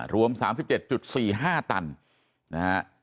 รวม๓๗๔๕ตันนะฮะ